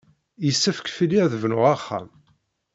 Yessefk fell-i ad d-bnuɣ axxam.